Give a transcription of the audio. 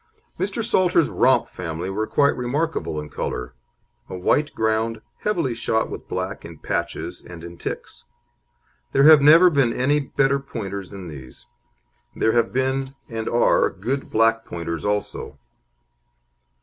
Mr. Salter's Romp family were quite remarkable in colour a white ground, heavily shot with black in patches and in ticks. There have never been any better Pointers than these. There have been, and are, good black Pointers also.